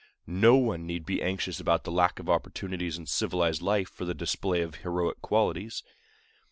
No one need be anxious about the lack of opportunities in civilized life for the display of heroic qualities.